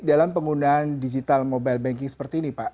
dalam penggunaan digital mobile banking seperti ini pak